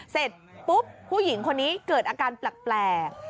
เสร็จปุ๊บผู้หญิงคนนี้เกิดอาการแปลก